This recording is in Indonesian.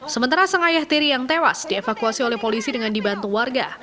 sementara sang ayah tiri yang tewas dievakuasi oleh polisi dengan dibantu warga